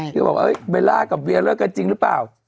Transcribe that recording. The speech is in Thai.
เฮ้ยเวร่ากับเวียเลือกกันจริงรึป่าว